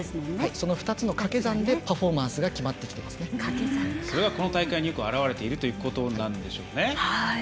その２つの掛け算でパフォーマンスがそれがこの大会によく表れてきているということでしょうね。